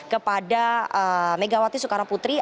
kepada megawati soekarno putri